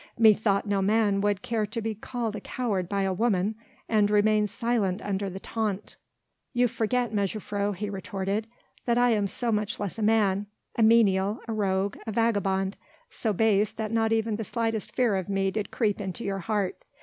"Methought no man would care to be called a coward by a woman, and remain silent under the taunt." "You forget, mejuffrouw," he retorted, "that I am so much less than a man ... a menial, a rogue, a vagabond so base that not even the slightest fear of me did creep into your heart